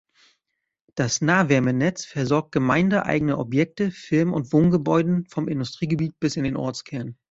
Das Nahwärmenetz versorgt gemeindeeigene Objekte, Firmen und Wohngebäuden vom Industriegebiet bis in den Ortskern.